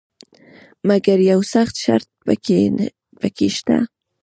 مګر یو سخت شرط پکې شته.